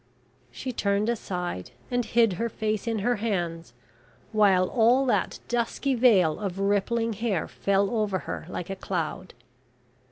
She turned aside and hid her face in her hands, while all that dusky veil of rippling hair fell over her like a cloud.